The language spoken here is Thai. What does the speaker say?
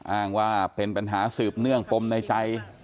อ้างว่าเป็นปัญหาสืบเนื่องปมในใจ